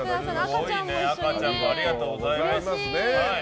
赤ちゃんもありがとうございます。